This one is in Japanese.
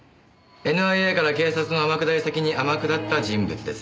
ＮＩＡから警察の天下り先に天下った人物です。